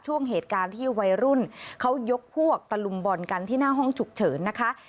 ช่วงเหตุการณ์ที่วัยรุ่นเขายกพวกตะลุมบอลกันที่หน้าห้องฉุกเฉินนะคะ